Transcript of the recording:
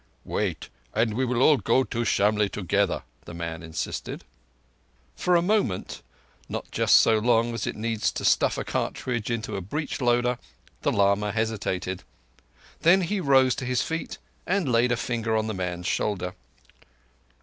"Wait, and we will all go to Shamlegh together," the man insisted. For a moment, for just so long as it needs to stuff a cartridge into a breech loader, the lama hesitated. Then he rose to his feet, and laid a finger on the man's shoulder.